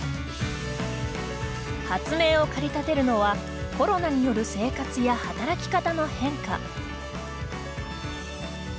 発明を駆り立てるのはコロナによる生活や働き方の変化。